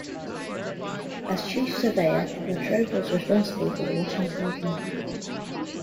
As chief surveyor, Latrobe was responsible for the Washington Canal.